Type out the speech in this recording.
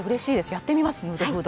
やってみます、ムードフード。